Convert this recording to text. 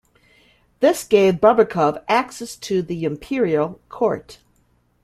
This gave Bobrikov access to the Imperial court.